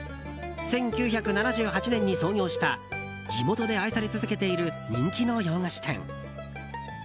１９７８年に創業した地元で愛され続けている人気の洋菓子店。